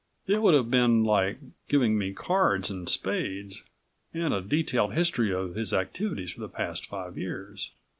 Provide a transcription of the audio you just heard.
It would have been like giving me cards and spades, and a detailed history of his activities for the past five years.